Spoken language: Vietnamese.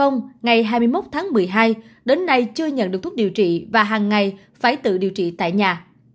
ngày hai mươi một tháng một mươi hai đến nay chưa nhận được thuốc điều trị và hàng ngày phải tự điều trị tại nhà